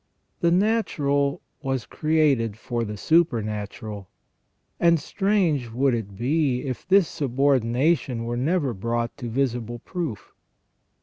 The natural was created for the supernatural, and strange would it be if this subordination were never brought to visible proof.